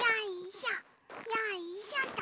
よいしょと。